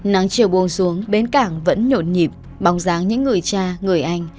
nắng chiều buồng xuống bến cảng vẫn nhộn nhịp bóng dáng những người cha người anh